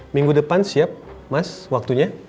minggu depan siap mas waktunya